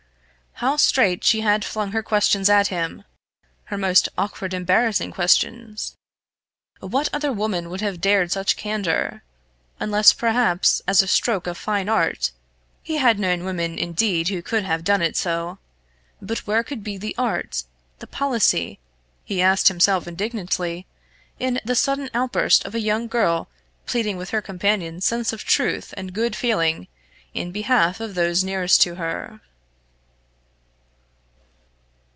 How straight she had flung her questions at him! her most awkward embarrassing questions. What other woman would have dared such candour unless perhaps as a stroke of fine art he had known women indeed who could have done it so. But where could be the art, the policy, he asked himself indignantly, in the sudden outburst of a young girl pleading with her companion's sense of truth and good feeling in behalf of those nearest to her?